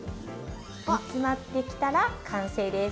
煮詰まってきたら完成です。